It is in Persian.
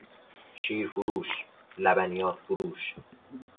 شیر فروش، لبنیات فروش